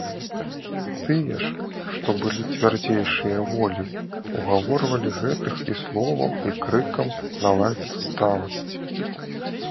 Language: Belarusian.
Тыя ж, што былі цвярдзейшыя воляй, угаворвалі гэтых і словам і крыкам наладзіць сталасць.